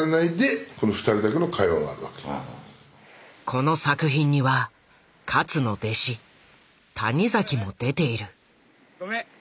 この作品には勝の弟子谷崎も出ている。